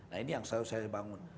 nah ini yang selalu saya bangun